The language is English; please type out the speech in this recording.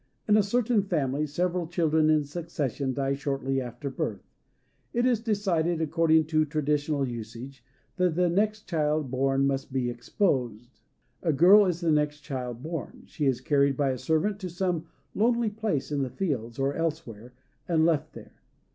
In a certain family several children in succession die shortly after birth. It is decided, according to traditional usage, that the next child born must be exposed. A girl is the next child born; she is carried by a servant to some lonely place in the fields, or elsewhere, and left there.